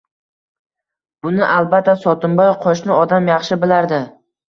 Buni albatta Sotimboy, qoʻshni odam, yaxshi bilardi.